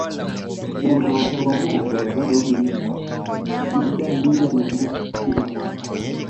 Kuna maporomoko yanayorudi nyuma mita na nusu kila mwaka